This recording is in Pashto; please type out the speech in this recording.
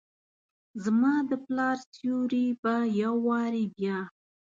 زما دپلا ر سیوري به یووارې بیا،